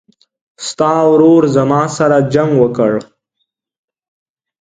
ستا ورور زما سره جنګ وکړ